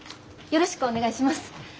よろしくお願いします。